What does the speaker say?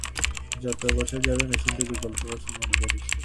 যত বছর যাবে মেশিনটির বিকল হবার সম্ভাবনাও বেড়ে যাবে।